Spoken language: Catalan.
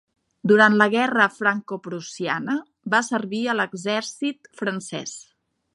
Durant la guerra franco-prussiana, va servir a l"exèrcit francès.